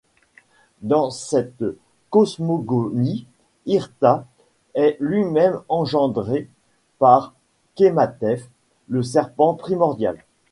Dans cette cosmogonie, Irta est lui-même engendré par Kematef, le serpent primordial.